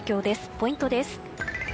ポイントです。